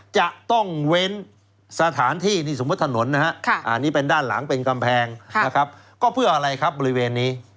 จะต้องเว้นสถานที่นี่สมมุติถนนนะฮะอันนี้เป็นด้านหลังเป็นกำแพงนะครับก็เพื่ออะไรครับบริเวณนี้